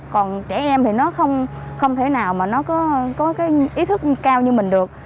còn trẻ em thì nó không thể nào mà nó có cái ý thức cao như mình được